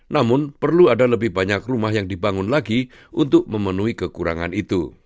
namun perlu ada lebih banyak rumah yang dibangun lagi untuk memenuhi kekurangan itu